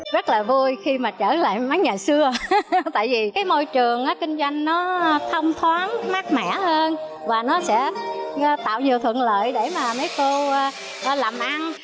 rất là vui khi mà trở lại mấy nhà xưa tại vì cái môi trường kinh doanh nó thông thoáng mát mẻ hơn và nó sẽ tạo nhiều thuận lợi để mà mấy cô làm ăn